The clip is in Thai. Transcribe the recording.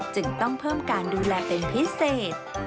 จึงต้องเพิ่มการดูแลเป็นพิเศษ